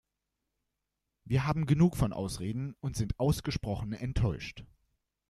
Wir haben genug von Ausreden und sind ausgesprochen enttäuscht.